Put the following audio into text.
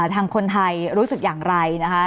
ทางคนไทยรู้สึกอย่างไรนะคะ